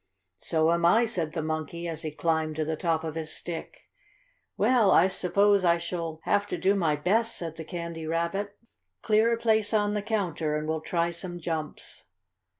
"So am I," said the Monkey, as he climbed to the top of his stick. "Well, I suppose I shall have to do my best," said the Candy Rabbit. "Clear a place on the counter, and we'll try some jumps."